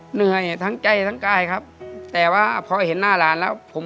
เหนื่อยทั้งใจทั้งกายครับแต่ว่าพอเห็นหน้าหลานแล้วผม